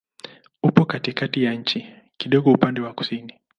Upo katikati ya nchi, kidogo upande wa kusini.